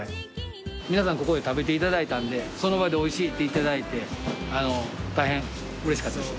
皆さんここで食べていただいたんでその場でおいしいっていただいて大変うれしかったです。